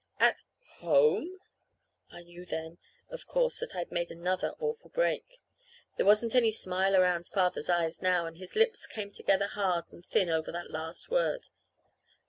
"At home?" I knew then, of course, that I'd made another awful break. There wasn't any smile around Father's eyes now, and his lips came together hard and thin over that last word.